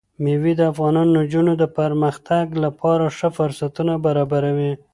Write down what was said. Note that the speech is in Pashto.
مېوې د افغان نجونو د پرمختګ لپاره ښه فرصتونه برابروي.